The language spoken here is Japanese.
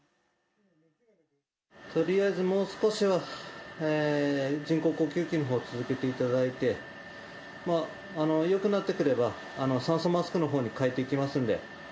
とりあえずもう少しは人工呼吸器のほう、続けていただいて、よくなってくれば、酸素マスクのほうに変えていきますんで。